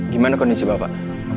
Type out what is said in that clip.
gimana kondisi bapak